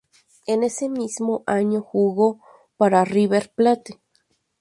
En ese mismo año jugó para River Plate.